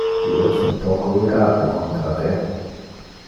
Io es un poco irate contra te.